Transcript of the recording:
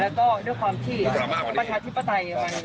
แล้วก็ด้วยความที่ประชาธิปไตย